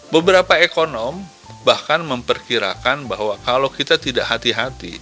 beberapa ekonom bahkan memperkirakan bahwa kalau kita tidak hati hati